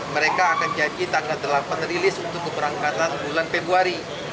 mereka akan janji tanggal delapan rilis untuk keberangkatan bulan februari